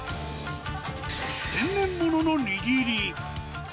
天然ものの握り。